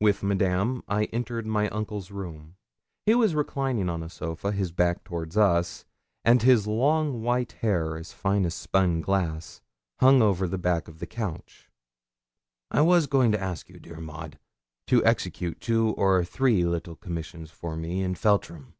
With Madame I entered my uncle's room. He was reclining on a sofa, his back towards us, and his long white hair, as fine as spun glass, hung over the back of the couch. 'I was going to ask you, dear Maud, to execute two or three little commissions for me in Feltram.'